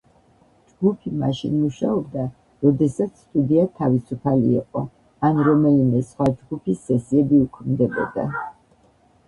ჯგუფი მაშინ მუშაობდა, როდესაც სტუდია თავისუფალი იყო ან რომელიმე სხვა ჯგუფის სესიები უქმდებოდა.